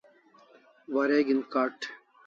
Wareg'in Card